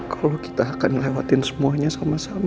kalau kita akan ngelewatin semuanya sama sama